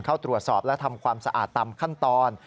เข้าตรวจสอบและทำความสะอาดตามขั้นตอน